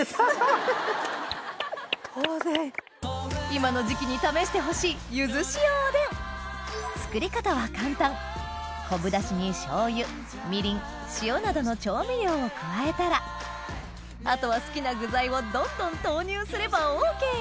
今の時期に試してほしいゆず塩おでん作り方は簡単などの調味料を加えたらあとは好きな具材をどんどん投入すればＯＫ